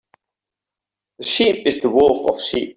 The sheep is the wolf of sheep.